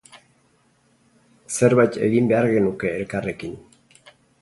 Zerbait egin behar genuke elkarrekin.